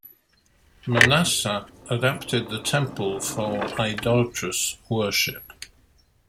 Manasseh adapted the Temple for idolatrous worship.